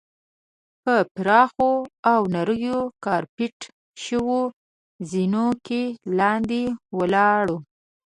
په پراخو او نریو کارپیټ شوو زینو کې لاندې ولاړو.